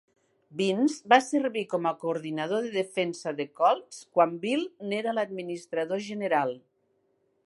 Vince va servir com a coordinador de defensa de Colts quan Bill n'era l'administrador general.